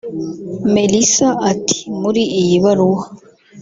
Melissa ati “Muri iyi baruwa